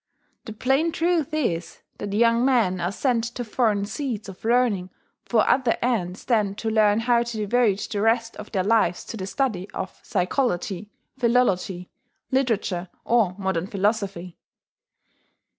The plain truth is that young men are sent to foreign seats of learning for other ends than to learn how to devote the rest of their lives to the study of psychology, philology, literature, or modern philosophy.